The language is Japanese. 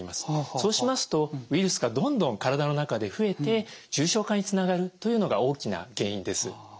そうしますとウイルスがどんどん体の中で増えて重症化につながるというのが大きな原因です。